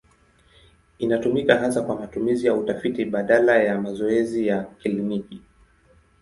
Inatumika hasa kwa matumizi ya utafiti badala ya mazoezi ya kliniki.